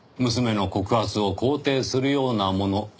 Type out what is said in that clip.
娘の告発を肯定するようなもの。